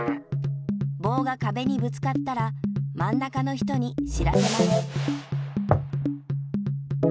ぼうがかべにぶつかったらまん中の人に知らせます。